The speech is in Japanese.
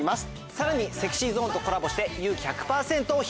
さらにＳｅｘｙＺｏｎｅとコラボ『勇気１００％』を披露。